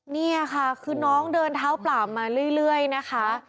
นี่ค่ะคือน้องเดินเท้าเปล่ามาเรื่อยนะคะ